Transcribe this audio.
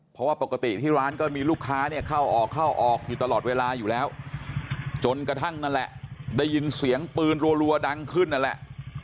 เพราะว่าปกติที่ร้านก็มีลูกค้าเนี่ยเข้าออกเข้าออกอยู่ตลอดเวลาอยู่แล้วจนกระทั่งนั่นแหละได้ยินเสียงปืนรัวดังขึ้นนั่นแหละ